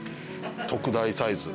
特大サイズ。